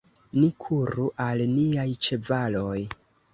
Ni kuru al niaj ĉevaloj.